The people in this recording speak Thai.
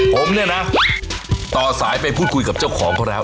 ผมเนี่ยนะต่อสายไปพูดคุยกับเจ้าของเขาแล้ว